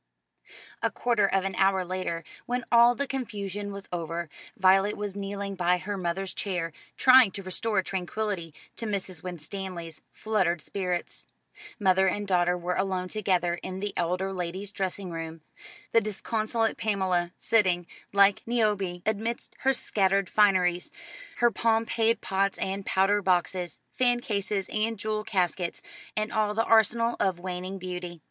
A quarter of an hour later, when all the confusion was over, Violet was kneeling by her mother's chair, trying to restore tranquillity to Mrs. Winstanley's fluttered spirits. Mother and daughter were alone together in the elder lady's dressing room, the disconsolate Pamela sitting, like Niobe, amidst her scattered fineries, her pomade pots and powder boxes, fan cases and jewel caskets, and all the arsenal of waning beauty.